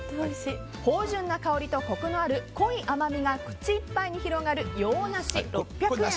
芳醇な香りとコクのある濃い甘みが口いっぱいに広がる洋梨、６００円。